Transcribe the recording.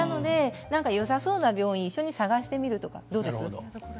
だから、よさそうな病院を一緒に探してみるとか、どうですか。